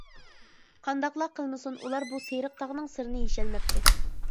قانداقلا قىلمىسۇن، ئۇلار بۇ سېرىق تاغنىڭ سىرىنى يېشەلمەپتۇ.